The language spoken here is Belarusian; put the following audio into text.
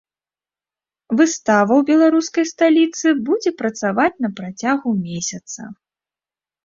Выстава ў беларускай сталіцы будзе працаваць на працягу месяца.